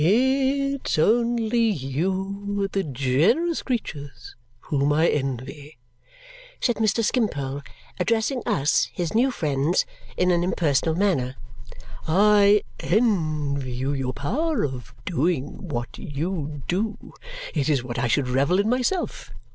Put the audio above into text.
"It's only you, the generous creatures, whom I envy," said Mr. Skimpole, addressing us, his new friends, in an impersonal manner. "I envy you your power of doing what you do. It is what I should revel in myself.